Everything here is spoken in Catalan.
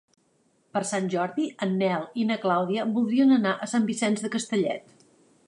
Per Sant Jordi en Nel i na Clàudia voldrien anar a Sant Vicenç de Castellet.